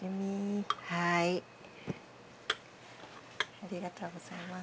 ありがとうございます。